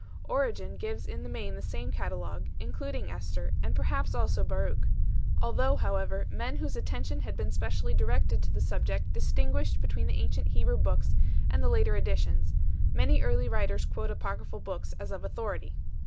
Origen 2 gives in the main the same catalogue, including Esther, and perhaps also Baruch. Although, however, men whose attention had been specially directed to the subject distinguished between the ancient Hebrew books and the later additions, many early writers quote Apocry phal books as of authority.